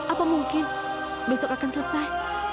apa mungkin besok akan selesai